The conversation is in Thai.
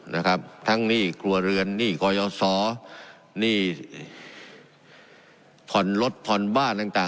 นะครับทั้งหนี้ครัวเรือนหนี้กยศหนี้ผ่อนรถผ่อนบ้านต่างต่าง